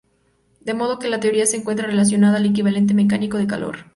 De modo que la teoría se encuentra relacionada al equivalente mecánico de calor..